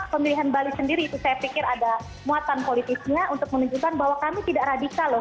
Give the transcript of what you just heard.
pemilihan bali sendiri itu saya pikir ada muatan politisnya untuk menunjukkan bahwa kami tidak radikal loh